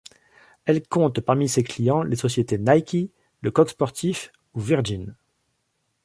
Elle compte parmi ses clients les sociétés Nike, Le coq sportif ou Virgin.